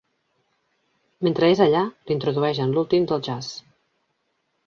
Mentre és allà, l’introdueix en l'últim del jazz.